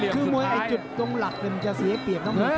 คือมวยจุดตรงหลักมันจะเสียเปรียบน้อง